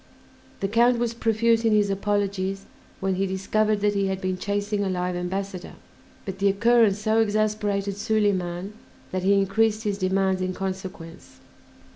The Count was profuse in his apologies when he discovered that he had been chasing a live ambassador; but the occurrence so exasperated Soliman that he increased his demands in consequence.